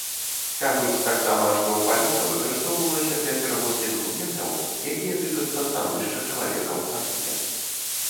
Кажуць таксама, што паліца выкарыстоўвалася для перавозкі дакументаў, якія тычацца становішча чалавека ў царкве.